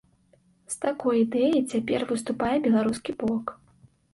З такой ідэяй цяпер выступае беларускі бок.